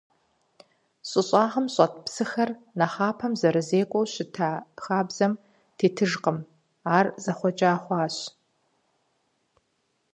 Щӏы щӏагъым щӏэт псыхэр нэхъапэм зэрызекӏуэу щыта хабзэм тетыжкъым, ар зэхъуэкӏа хъуащ.